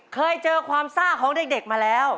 เคยเจอความซ่าของเด็กมาแล้ว